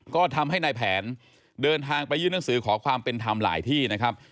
ก็ทำให้นายแผนเดินทางไปยื่นหนังสือขอความเป็นธรรมหลายที่นะครับ